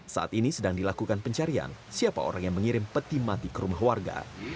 saat ini sedang dilakukan pencarian siapa orang yang mengirim peti mati ke rumah warga